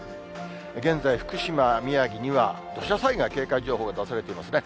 現在、福島、宮城には土砂災害警戒情報が出されていますね。